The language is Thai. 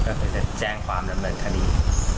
ก็คือจะแจ้งความดำเนินคดี